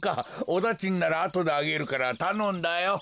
おだちんならあとであげるからたのんだよ。